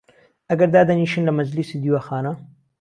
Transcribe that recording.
ئهگهر دادهنیشن لە مەجلیس و دیوەخانه